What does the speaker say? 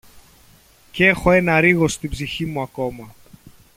κ’ έχω ένα ρίγος στην ψυχή μου ακόμα